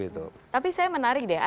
tetapi saya menarik deh